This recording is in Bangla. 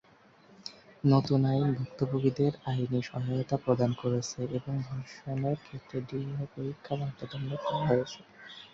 নতুন আইন ভুক্তভোগীদের আইনি সহায়তা প্রদান করেছে এবং ধর্ষণের ক্ষেত্রে ডিএনএ পরীক্ষা বাধ্যতামূলক করা হয়েছে।